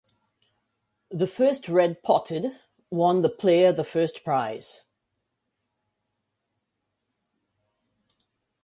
The first red potted won the player the first prize.